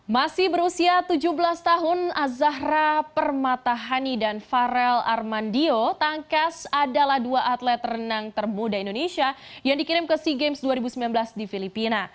masih berusia tujuh belas tahun azahra permatahani dan farel armandio tangkas adalah dua atlet renang termuda indonesia yang dikirim ke sea games dua ribu sembilan belas di filipina